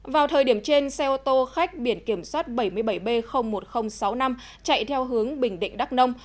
vào thời điểm trên xe ô tô khách biển kiểm soát bảy mươi bảy b một nghìn sáu mươi năm chạy theo hướng bình định đắk nông